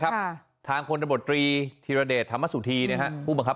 ค่ะทางขวนธบตรีธิรเดชธรรมสุธีเนี้ยฮะ